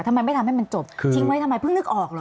ทำไมไม่ทำให้มันจบทิ้งไว้ทำไมเพิ่งนึกออกเหรอ